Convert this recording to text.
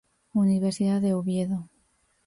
Universidad de Oviedo.